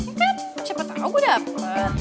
mungkin siapa tau gue dapet